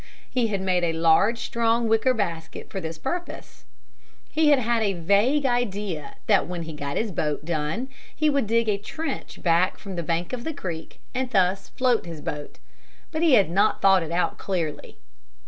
He had made a large strong wicker basket for this purpose. He had had a vague idea that when he got his boat done he would dig a trench back from the bank of the creek and thus float his boat. But he had not thought it out clearly.